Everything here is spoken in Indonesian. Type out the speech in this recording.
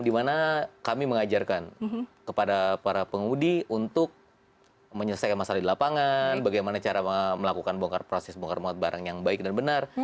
dimana kami mengajarkan kepada para pengemudi untuk menyelesaikan masalah di lapangan bagaimana cara melakukan proses bongkar mungkar barang yang baik dan benar